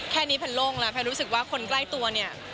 แค่นี้แพนโล่งแล้วแพนรู้สึกว่าคนใกล้ตัวเนี่ย